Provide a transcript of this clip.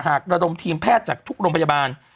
กระดมทีมแพทย์จากทุกโรงพยาบาล